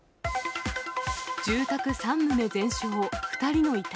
住宅３棟全焼、２人の遺体。